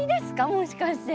もしかして。